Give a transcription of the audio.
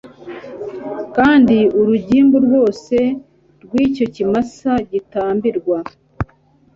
Kandi urugimbu rwose rw icyo kimasa gitambirwa